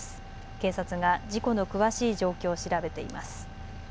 警察が事故の詳しい状況を調べています。